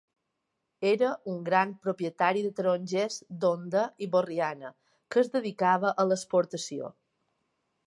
Era un gran propietari de tarongers d'Onda i Borriana que es dedicava a l'exportació.